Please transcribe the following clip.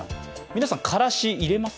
皆さん、からし入れます？